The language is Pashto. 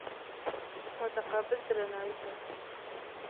متقابل درناوي ته.